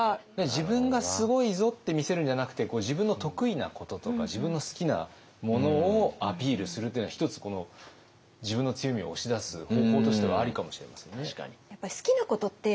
自分がすごいぞって見せるんじゃなくて自分の得意なこととか自分の好きなものをアピールするっていうのは一つこの自分の強みを押し出す方法としてはありかもしれませんね。